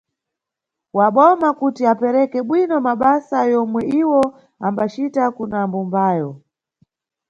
Wa boma kuti apereke bwino mabasa yomwe iwo ambacita kuna mbumbayo.